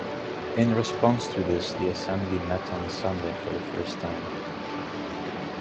In response to this the Assembly met on a Sunday for the first time.